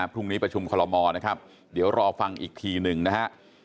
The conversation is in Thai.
พรุ่งนี้ประชุมคอลโมนะครับเดี๋ยวรอฟังอีกทีหนึ่งนะฮะ